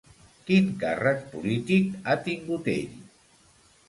Quin càrrec polític ha tingut ell?